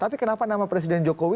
tapi kenapa nama presiden jokowi